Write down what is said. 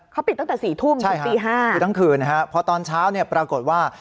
เขาปิดตั้งแต่๔ทุ่มตอนตี๕พอตอนเช้าเนี่ยปรากฏว่า